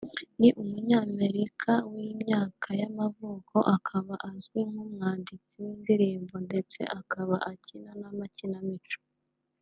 Ni Umunyamerika w’imyaka y’amavuko akaba azwi nk’umwanditsi w’indirimbo ndetse akaba akina n’amakinamico